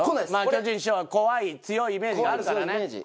巨人師匠は怖い強いイメージがあるからね。